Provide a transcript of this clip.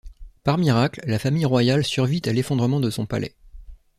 Par miracle, la famille royale survit à l'effondrement de son palais.